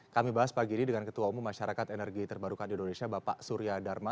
kami bahas pagi ini dengan ketua umum masyarakat energi terbarukan indonesia bapak surya dharma